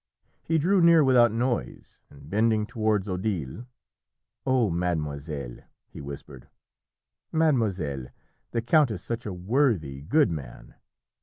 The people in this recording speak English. He drew near without noise, and bending towards Odile "Oh, mademoiselle!" he whispered "mademoiselle, the count is such a worthy, good man.